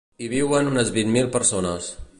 Hi viuen unes vint mil persones.